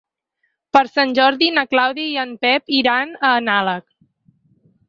Per Sant Jordi na Clàudia i en Pep iran a Nalec.